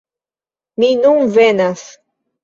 Mi nun venas!